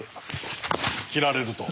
切られると。